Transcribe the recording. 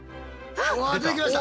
うわ出てきました！